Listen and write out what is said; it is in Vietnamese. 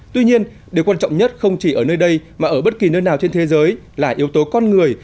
tuy nhiên điều quan trọng nhất không chỉ ở nơi đây mà ở bất kỳ nơi nào trên thế giới là yếu tố con người